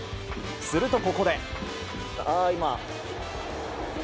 するとここで。